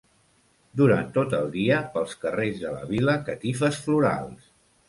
Durant tot el dia, pels carrers de la vila, catifes florals.